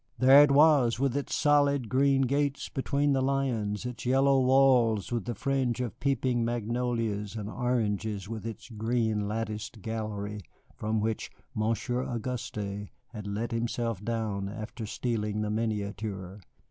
There it was, with its solid green gates between the lions, its yellow walls with the fringe of peeping magnolias and oranges, with its green latticed gallery from which Monsieur Auguste had let himself down after stealing the miniature.